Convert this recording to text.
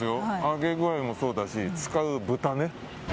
揚げ具合もそうですし、使う豚ね。